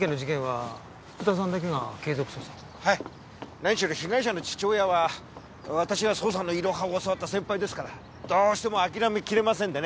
何しろ被害者の父親は私が捜査のイロハを教わった先輩ですからどうしても諦めきれませんでね。